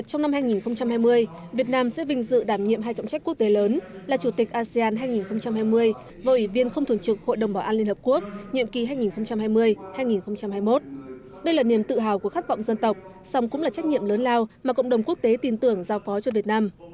đây là niềm tự hào của khát vọng dân tộc song cũng là trách nhiệm lớn lao mà cộng đồng quốc tế tin tưởng giao phó cho việt nam